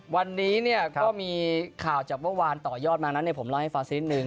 วันนี้เนี่ยก็มีข่าวจากเมื่อวานต่อยอดมานั้นผมเล่าให้ฟังนิดนึง